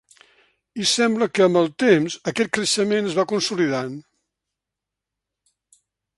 I sembla que, amb el temps, aquest creixement es va consolidant.